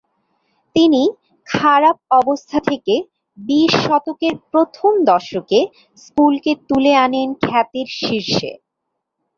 তিনি খারাপ অবস্থা থেকে বিশ শতকের প্রথম দশকে স্কুলকে তুলে আনেন খ্যাতির শীর্ষে।